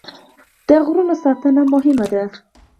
د غرونو ساتنه مهمه ده.